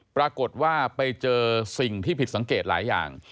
ปรากฏว่าไปเจอสิ่งที่ผิดสังเกตหลายอย่าง